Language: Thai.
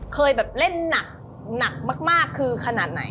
เคยแบบเล่นหนักหนักมากคือขนาดไหน